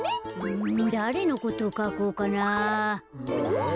うんだれのことをかこうかな。